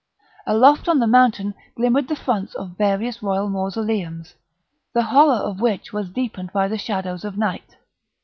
Aloft on the mountain glimmered the fronts of various royal mausoleums, the horror of which was deepened by the shadows of night.